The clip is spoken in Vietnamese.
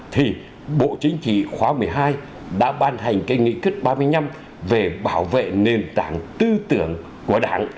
thì bộ chính trị khóa một mươi hai đã ban hành cái nghị quyết ba mươi năm về bảo vệ nền tảng tư tưởng của đảng